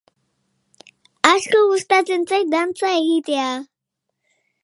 Erbestean egon ondoren, israeldarren itzuleraren historia azaltzen da bertan.